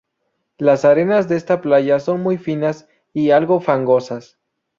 Las arenas de esta playa son muy finas y algo fangosas.